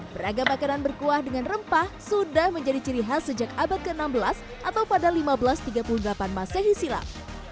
beragam makanan berkuah dengan rempah sudah menjadi ciri khas sejak abad ke enam belas atau pada seribu lima ratus tiga puluh delapan masehi silam